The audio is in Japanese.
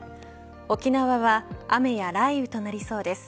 沖縄は雨や雷雨となりそうです。